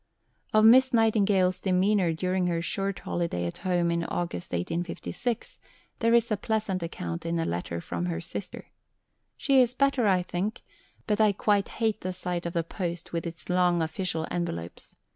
Of Miss Nightingale's demeanour during her short holiday at home in August 1856, there is a pleasant account in a letter from her sister: She is better, I think, but I quite hate the sight of the post with its long official envelopes.